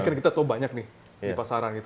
kan kita tahu banyak nih di pasaran gitu